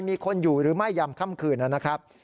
มีคนอยู่หรือไม่ยำค่ำคืนนะครับ